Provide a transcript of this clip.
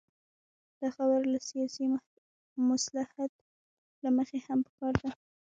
دا خبره له سیاسي مصلحت له مخې هم پکار ده.